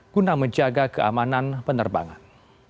guna menjaga keamanan penerbangan